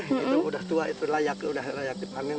itu udah tua itu layak dipanen